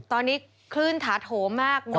ตอนนี้คลื่นถาโถมาก